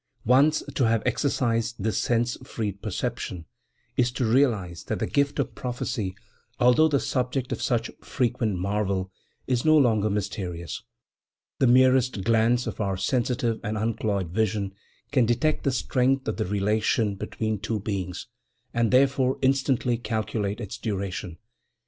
Once to have exercised this sense freed perception is to realize that the gift of prophecy, although the subject of such frequent marvel, is no longer mysterious. The merest glance of our sensitive and uncloyed vision can detect the strength of the relation between two beings, and therefore instantly calculate its duration.